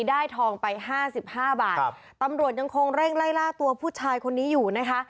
ทองไปห้าสิบห้าบาทครับตำรวจยังคงเร่งไล่ล่าตัวผู้ชายคนนี้อยู่นะคะ